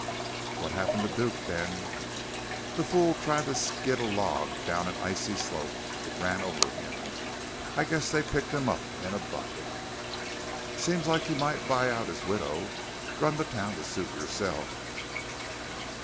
"What happened to Duke, Ben?" "The fool tried to skid a log down an icy slope. It ran over him. I guess they picked him up in a bucket." "Seems like you might buy out his widow, run the town to suit yourself."